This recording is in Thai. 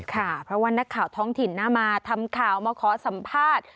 ค่ะเพราะว่านักข่าวท้องถิ่นน่ามาทำข่าวมาขอสัมภาษณ์